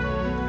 aku mau pergi